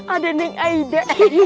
ada neng aida